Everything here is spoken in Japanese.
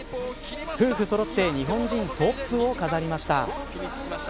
夫婦そろって日本人トップを飾りました。